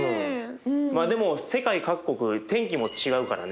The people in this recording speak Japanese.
でも世界各国天気も違うからね。